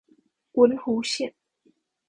文湖線